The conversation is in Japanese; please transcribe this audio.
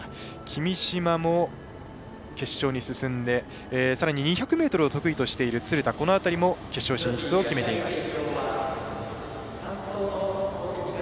君嶋も、決勝に進んでさらに２００ｍを得意としている鶴田、この辺りも決勝進出決めています。